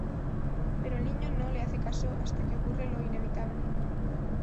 Pero el niño no le hace caso hasta que ocurre lo inevitable.